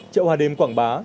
chợ hòa đêm quảng bá